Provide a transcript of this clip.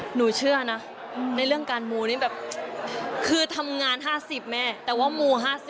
หนูเชื่อนะในเรื่องการมูนี่แบบคือทำงาน๕๐แม่แต่ว่ามู๕๐